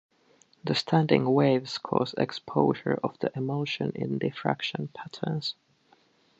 The standing waves cause exposure of the emulsion in diffraction patterns.